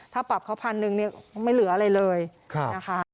ถ้าปรับเขาพันหนึ่งเนี่ยไม่เหลืออะไรเลยนะคะ